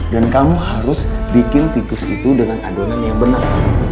dan kamu harus bikin tikus itu dengan adonan yang benar